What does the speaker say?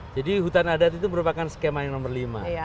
jadi hutan adat itu merupakan skema yang nomor lima dari perhutanan sosial